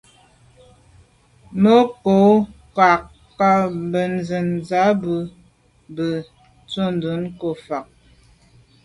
Mə́ cwɛ̌d kwâ’ ncâ bə̀ncìn zə̄ bù bə̂ ntɔ́nə́ ngə́ fâ’.